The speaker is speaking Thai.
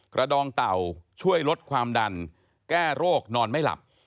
ดองเต่าช่วยลดความดันแก้โรคนอนไม่หลับ